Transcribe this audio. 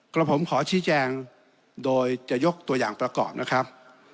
กระผมขอชี้แจงโดยจะยกตัวอย่างประกอบนะครับ